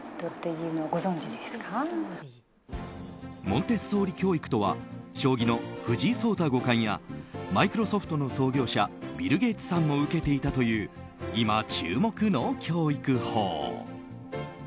モンテッソーリ教育とは将棋の藤井聡太五冠やマイクロソフトの創業者ビル・ゲイツさんも受けていたという今、注目の教育法。